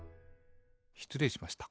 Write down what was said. しつれいしました。